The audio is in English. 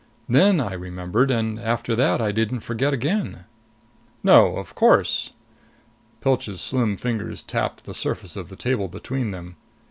Then I remembered, and after that I didn't forget again." "No. Of course." Pilch's slim fingers tapped the surface of the table between them.